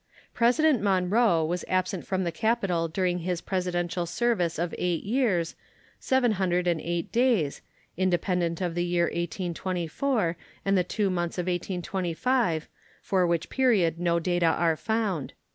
President Monroe was absent from the capital during his Presidential service of eight years seven hundred and eight days, independent of the year 1824 and the two months of 1825, for which period no data are found.